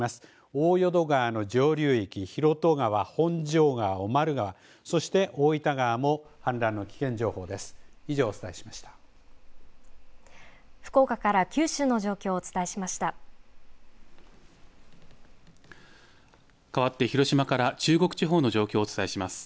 大淀川の上流域、ひろと川、ほんじょう川、小丸川、そして大分川も氾濫の危険情報です。